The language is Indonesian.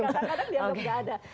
kadang kadang dianggap nggak ada